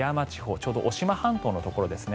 ちょうど渡島半島のところですね。